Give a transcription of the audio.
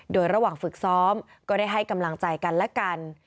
โดยระหว่างฝึกซ้อมก็ได้ให้กำลังใจกันและกัน